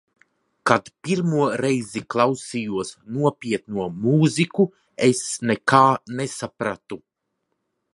Kad pirmo reizi klausījos nopietno mūziku, es nekā nesapratu.